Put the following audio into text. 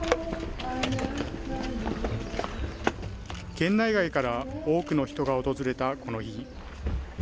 県内外から多くの人が訪れたこの日。